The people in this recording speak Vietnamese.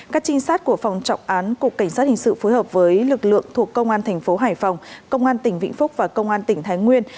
các trinh sát của phòng trọng án cục cảnh sát hình sự phối hợp với lực lượng thuộc công an thành phố hải phòng công an tỉnh vĩnh phúc và công an tỉnh thái nguyên